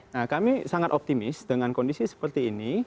nah kami sangat optimis dengan kondisi seperti ini